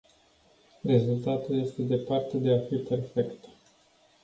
Rezultatul este departe de a fi perfect.